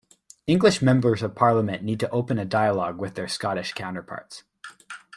English Members of Parliament need to open a dialogue with their Scottish counterparts.